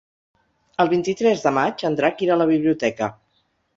El vint-i-tres de maig en Drac irà a la biblioteca.